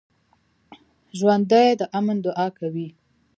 ژوندي د امن دعا کوي